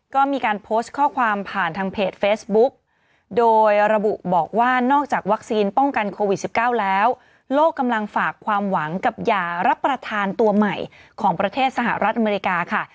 ก็มีการโพสต์ข้อความผ่านทางเพจเฟซบุ๊กโดยระบุบอกว่านอกจากวัคซีนป้องกันโควิด๑๙แล้วโลกกำลังฝากความหวังกับยารับประทานตัวใหม่ของประเทศสหรัฐอเมริกาค่ะ